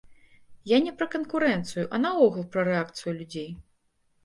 Я не пра канкурэнцыю, а наогул пра рэакцыю людзей.